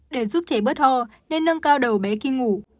để giúp trẻ bớt ho nên nâng cao đầu bé khi ngủ